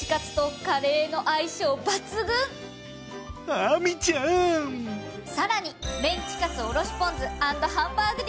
亜美ちゃん！さらにメンチカツおろしポン酢＆ハンバーグディッシュ。